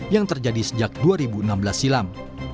yang terjadi sejak dua ribu enam belas silam